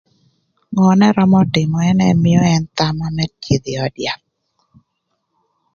Ngö n'ërömö tïmö ënë mïö ën thama më cïdhö ï öd yath.